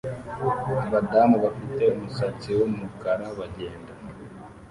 abadamu bafite umusatsi wumukara bagenda